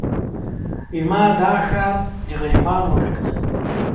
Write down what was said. زما دا ښار د غريبانو ډک دی